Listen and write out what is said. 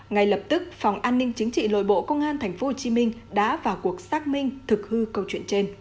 ngay lập tức phòng an ninh chính trị nội bộ công an tp hcm đã vào cuộc xác minh thực hư câu chuyện trên